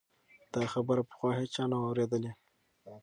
دا خبره پخوا هیچا نه وه اورېدلې.